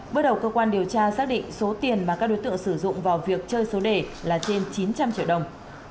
bước đầu cơ quan điều tra xác định số tiền mà các đối tượng sử dụng vào việc chơi số đề là trên chín trăm linh triệu đồng